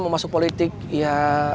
mau masuk politik ya